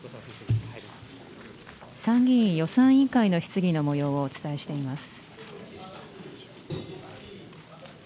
参議院予算委員会の質疑のもようをお伝えしています。